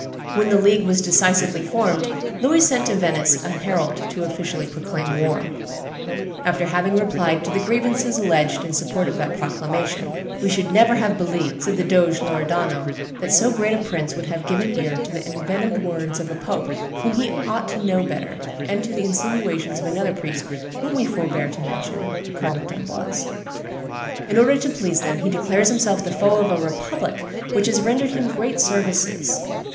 When the league was decisively formed, Louis sent to Venice a herald to officially proclaim war. After having replied to the grievances alleged in support of that proclamation, "We should never have believed," said the Doge Loredano, "that so great a prince would have given ear to the envenomed words of a pope whom he ought to know better, and to the insinuations of another priest whom we forbear to mention (Cardinal d'Amboise). In order to please them, he declares himself the foe of a republic which has rendered him great services.